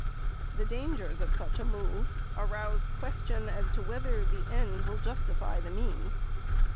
The dangers of such a move arouse question as to whether the end will justify the means.